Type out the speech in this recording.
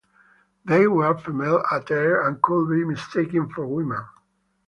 They wear female attire and could be mistaken for women.